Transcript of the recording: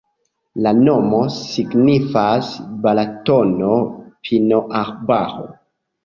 La nomo signifas: Balatono-pinoarbaro.